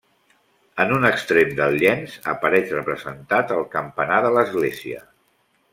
En un extrem del llenç apareix representat el campanar de l'església.